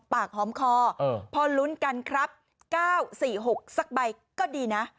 ปากหอมคอเออพอลุ้นกันครับเก้าสี่หกสักใบก็ดีน่ะ